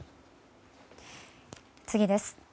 次です。